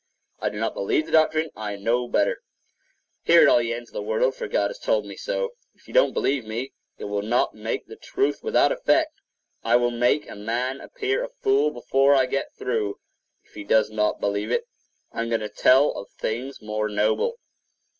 I do not believe the doctrine; I know better. Hear it, all ye ends of the world; for God has told me so; and if you don't believe me, it will not make the truth without effect. I will make a man appear a fool before I get through; if he does not believe it. I am going to tell of things more noble.